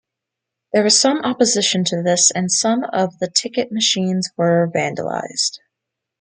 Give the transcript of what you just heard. There was some opposition to this and some of the ticket machines were vandalised.